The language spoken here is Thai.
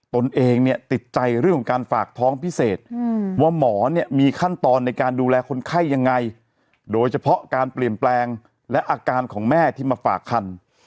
ตนเองเนี่ยติดใจเรื่องของการฝากท้องพิเศษว่าหมอเนี่ยมีขั้นตอนในการดูแลคนไข้ยังไงโดยเฉพาะการเปลี่ยนแปลงและอาการของแม่ที่มาฝากคัน